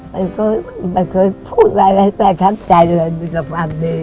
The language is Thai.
มันเคยพูดอะไรให้แม่คับใจเลยมีความดี